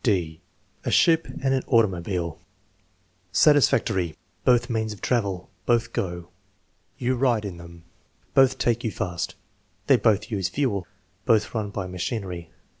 (d) A ship and an automobile Satisfactory. "Both means of travel." "Both go." "You ride in them." "Both take you fast." "They both use fuel." "Both run by machinery."